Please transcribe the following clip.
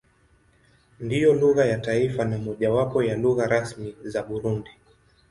Ndiyo lugha ya taifa na mojawapo ya lugha rasmi za Burundi.